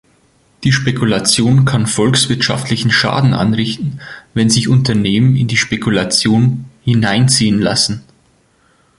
Die Spekulation kann volkswirtschaftlichen Schaden anrichten, wenn sich Unternehmen in die Spekulation „hineinziehen lassen“.